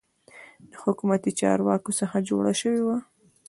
د حکومتي چارواکو څخه جوړه شوې وه.